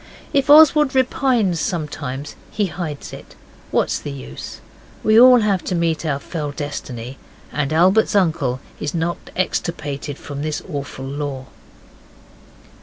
If Oswald repines sometimes, he hides it. What's the use? We all have to meet our fell destiny, and Albert's uncle is not extirpated from this awful law.